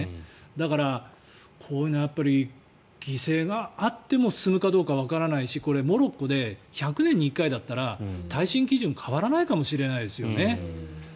だから、こういうのは犠牲があっても進むかどうかわからないしこれ、モロッコで１００年に１回だったら耐震基準、変わらないかもしれないですよね。